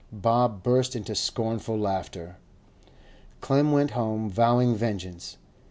Bob burst into scornful laughter. Clem went home vowing vengeance.